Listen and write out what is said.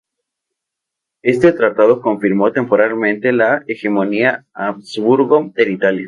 Este tratado confirmó temporalmente la hegemonía Habsburgo en Italia.